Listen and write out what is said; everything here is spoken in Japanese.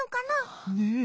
ねえ。